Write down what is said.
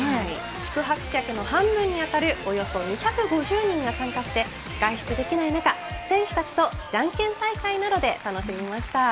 宿泊客の半分に当たるおよそ２５０人が参加して外出できない中、選手たちとジャンケン大会などで楽しみました。